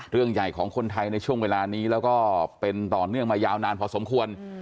เรื่องใหญ่ของคนไทยในช่วงเวลานี้แล้วก็เป็นต่อเนื่องมายาวนานพอสมควร